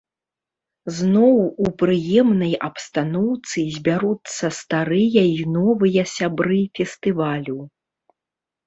Зноў у прыемнай абстаноўцы збяруцца старыя і новыя сябры фестывалю.